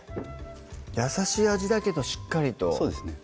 優しい味だけどしっかりとそうですね